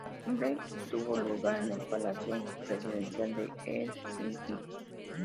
La cumbre tuvo lugar en el Palacio Presidencial de Helsinki.